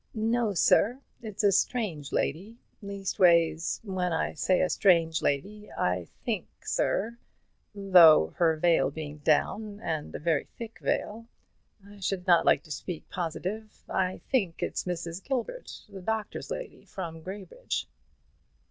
"No, sir, it's a strange lady; leastways, when I say a strange lady, I think, sir, though, her veil being down, and a very thick veil, I should not like to speak positive, I think it's Mrs. Gilbert, the doctor's lady, from Graybridge."